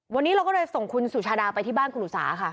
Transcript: วันนี้เราก็เลยส่งคุณสุชาดาไปที่บ้านคุณอุสาค่ะ